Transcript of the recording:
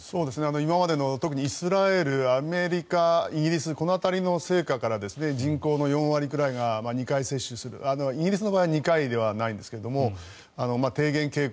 今までのイスラエルアメリカ、イギリスこの辺りの成果から人口の４割ぐらいが２回接種をするイギリスの場合２回ではないんですが低減傾向